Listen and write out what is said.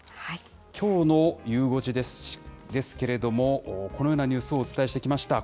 きょうのゆう５時ですけれども、このようなニュースをお伝えしてきました。